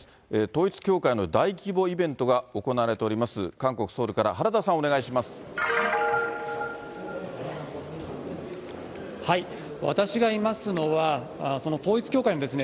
統一教会の大規模イベントが行われております、韓国・ソウルから、原田さんお願いします。